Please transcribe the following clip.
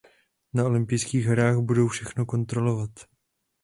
Na olympijských hrách budou všechno kontrolovat.